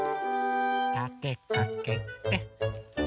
たてかけて。